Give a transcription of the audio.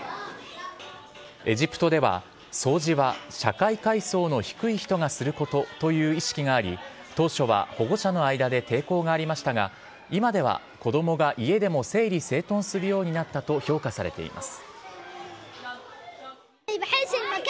エジプトでは、掃除は社会階層の低い人がすることという意識があり、当初は保護者の間で抵抗がありましたが、今では子どもが家でも整理整頓するようになったと評価されています。